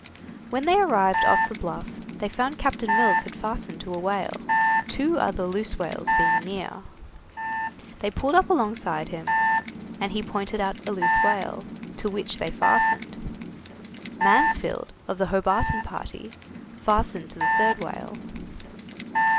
When they arrived off the Bluff they found Captain Mills had fastened to a whale, two other loose whales being near. They pulled up alongside him, and he pointed out a loose whale, to which they fastened. Mansfield, of the Hobarton party, fastened to the third whale.